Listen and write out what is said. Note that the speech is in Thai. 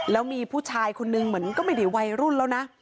แล้วมีผู้ชายคนนึงเหมือนก็ไม่ได้วัยรุ่นแล้วนะ